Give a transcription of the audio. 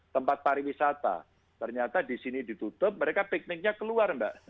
tempat pariwisata ternyata di sini ditutup mereka pikniknya keluar mbak